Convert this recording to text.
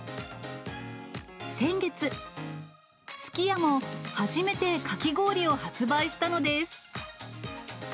先月、すき家も初めてかき氷を発売したのです。